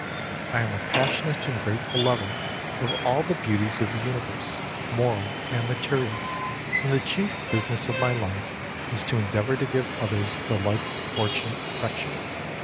I am a passionate and grateful lover of all the beauties of the universe, moral and material; and the chief business of my life is to endeavour to give others the like fortunate affection.